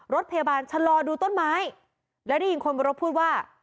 รถพยาบาลชะลอดูต้นไม้และได้ยินคนบนรถพูดว่า